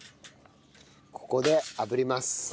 ここで炙ります。